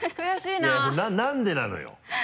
なんでなのよ？